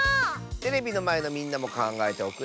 テレビのまえのみんなもかんがえておくれ。